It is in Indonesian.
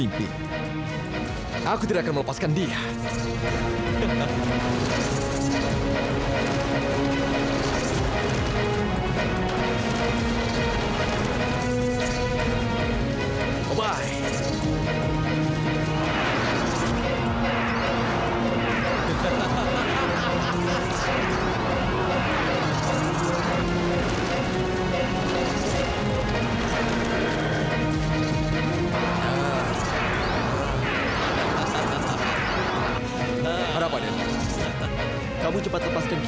ini baralla dng di bagian